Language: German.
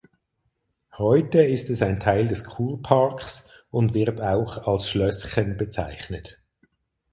Heute ist es ein Teil des Kurparks und wird auch als "Schlößchen" bezeichnet.